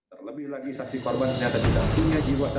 terlebih lagi saksi parban ternyata tidak punya jiwa dan pria